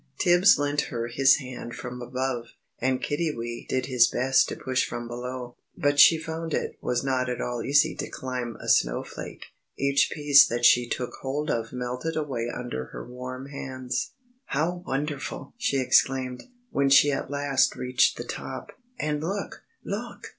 Tibbs lent her his hand from above, and Kiddiwee did his best to push from below. But she found it was not at all easy to climb a snowflake. Each piece that she took hold of melted away under her warm hands. "How wonderful!" she exclaimed, when she at last reached the top. "And look LOOK!